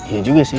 iya juga sih